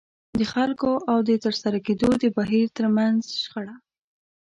د خلکو او د ترسره کېدو د بهير ترمنځ شخړه.